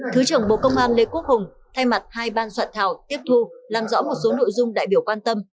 thứ trưởng bộ công an lê quốc hùng thay mặt hai ban soạn thảo tiếp thu làm rõ một số nội dung đại biểu quan tâm